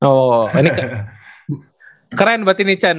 oh ini keren berarti nih chen